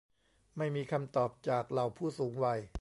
ไม่มีคำตอบจากเหล่าผู้สูงวัย